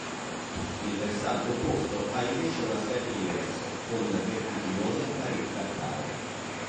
Il versante opposto, ha invece un aspetto diverso, con vertiginose pareti calcaree.